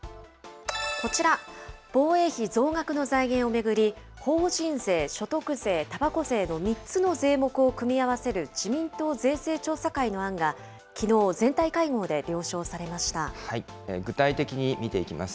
こちら、防衛費増額の財源を巡り、法人税、所得税、たばこ税の３つの税目を組み合わせる自民党税制調査会の案が、き具体的に見ていきます。